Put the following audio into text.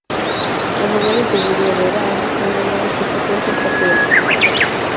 Las novelas de Yuri Herrera han recibido gran aceptación por parte de la crítica.